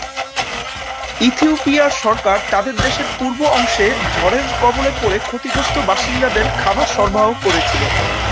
ইথিওপিয়ার সরকার তাদের দেশের পূর্ব অংশে ঝড়ের কবলে পড়ে ক্ষতিগ্রস্ত বাসিন্দাদের খাবার সরবরাহ করেছিল।